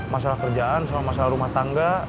masalah kerjaan sama masalah rumah tangga